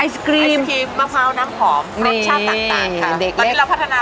ไอศกรีมมะพร้าวน้ำหอมรสชาติต่างค่ะ